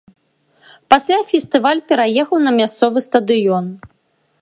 Пасля фестываль пераехаў на мясцовы стадыён.